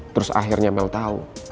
terus akhirnya mel tau